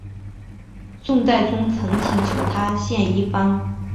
宋太宗曾请求他献医方。